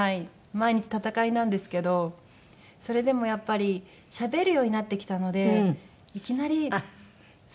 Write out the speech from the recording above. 毎日戦いなんですけどそれでもやっぱりしゃべるようになってきたのでいきなりそうなんです。